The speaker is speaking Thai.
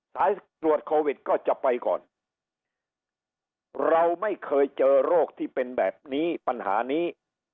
สายตรวจโควิดก็จะไปก่อนเราไม่เคยเจอโรคที่เป็นแบบนี้ปัญหานี้